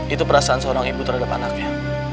itu perasaan seorang ibu terhadap anaknya